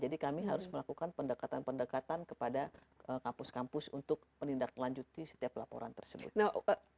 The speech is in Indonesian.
jadi kami harus melakukan pendekatan pendekatan kepada kampus kampus untuk menindaklanjuti setiap pelaporan tersebut